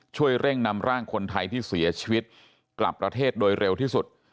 ช่วยเร่งนำร่างคนไทยที่เสียชีวิตกลับประเทศโดยเร็วที่สุด